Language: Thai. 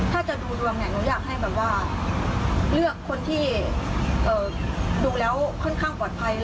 ถ้าจะดูดวงเนี่ยหนูอยากให้แบบว่าเลือกคนที่ดูแล้วค่อนข้างปลอดภัย